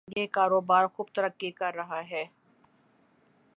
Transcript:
یہ کاروبار خوب ترقی کر رہا ہے۔